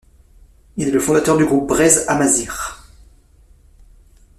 Il est le fondateur du groupe Breizh Amazir.